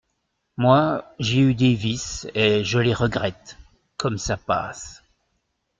Moi, j’ai eu des vices, et je les regrette… comme ça passe !